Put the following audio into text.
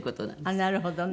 なるほどね。